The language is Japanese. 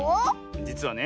じつはね